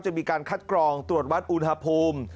มีการคัดกรองตรวจวัดอุณหภูมิ